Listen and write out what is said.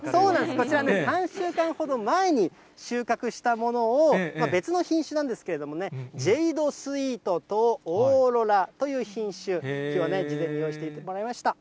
こちら、３週間ほど前に収穫したものを、別の品種なんですけれどもね、ジェイドスイートとオーロラという品種、きょうは事前に用意していただきました。